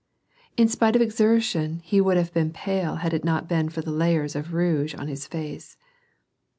In spite of exertion he would have been pale had it not been for the layers of rouge on his face.